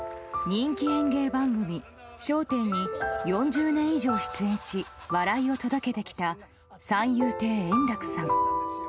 人気演芸番組「笑点」に４０年以上出演し笑いを届けてきた三遊亭円楽さん。